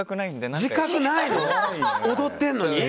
踊ってんのに？